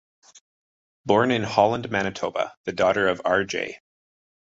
Born in Holland, Manitoba, the daughter of R. J.